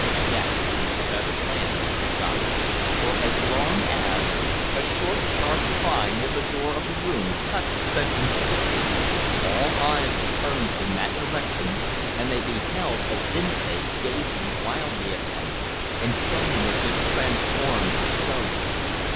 "That will be the better plan," said the doctor, "for as long as " A short sharp cry near the door of the room cut the sentence short. All eyes were turned in that direction and they beheld Azinte gazing wildly at them, and standing as if transformed to stone.